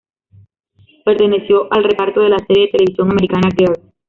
Perteneció al reparto de la serie de televisión americana "Girls".